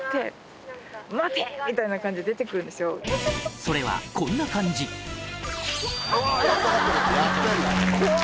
それはこんな感じやぁ！